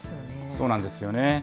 そうなんですよね。